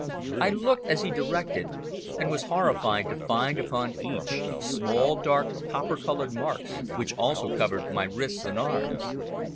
I looked as he directed and was horrified to find upon each small, dark, copper coloured marks, which also covered my wrists and arms.